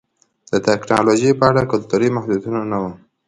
د ټکنالوژۍ په اړه کلتوري محدودیتونه نه وو